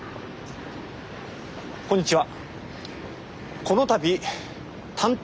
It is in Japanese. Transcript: こんにちは。